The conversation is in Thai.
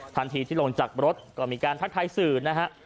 ทันทีที่ลงจากรถก็มีการทักทายสื่อนะฮะ